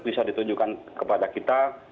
bisa ditunjukkan kepada kita